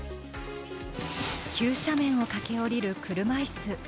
急斜面を駆け下りる車いす。